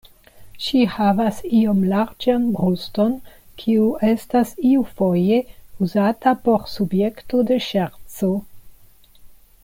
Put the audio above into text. Ŝi havas iom larĝan bruston, kiu estas iufoje uzata por subjekto de ŝerco.